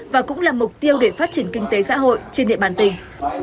và cũng là mục tiêu để phát triển kinh tế xã hội trên địa bàn tỉnh